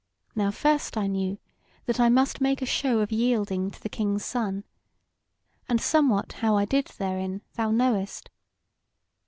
Now first I knew that I must make a show of yielding to the King's Son; and somewhat how I did therein, thou knowest.